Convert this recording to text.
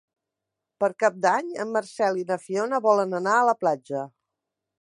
Per Cap d'Any en Marcel i na Fiona volen anar a la platja.